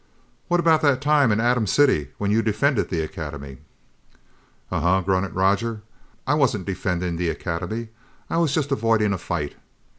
"What about that time in Atom City when you defended the Academy?" "Uh uh," grunted Roger, "I wasn't defending the Academy. I was just avoiding a fight."